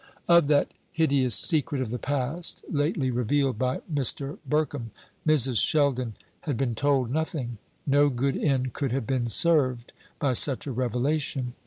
Of that hideous secret of the past, lately revealed by Mr. Burkham, Mrs. Sheldon had been told nothing. No good end could have been served by such a revelation.